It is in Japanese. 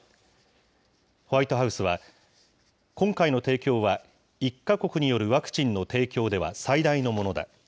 ホワイトハウスは、今回の提供は、１か国によるワクチンの提供では最大のものだ。